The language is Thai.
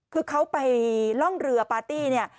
คือเขาไปล่องเรือปาร์ตี้